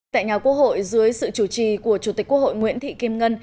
tại nhà quốc hội dưới sự chủ trì của chủ tịch quốc hội nguyễn thị kim ngân